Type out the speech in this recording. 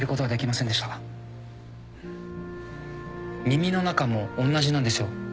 耳の中もおんなじなんですよ。